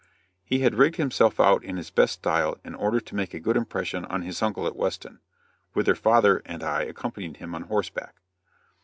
He had rigged himself out in his best style in order to make a good impression on his uncle at Weston, whither father and I accompanied him on horseback.